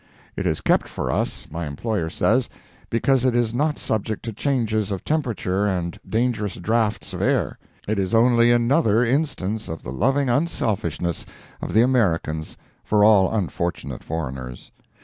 It is kept for us, my employer says, because it is not subject to changes of temperature and dangerous drafts of air. It is only another instance of the loving unselfishness of the Americans for all unfortunate foreigners.